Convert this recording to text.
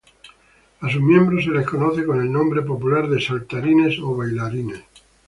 A sus miembros se les conoce por el nombre popular de saltarines, o bailarines.